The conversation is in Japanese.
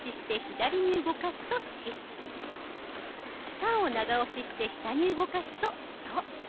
「た」を長押しして下に動かすと「と」。